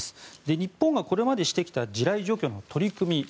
日本がこれまでしてきた地雷除去の取り組み